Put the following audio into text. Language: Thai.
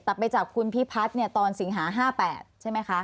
แต่ไปจับคุณพี่พัดเนี่ยตอนสิงหาห้า๘ใช่ไหมคะ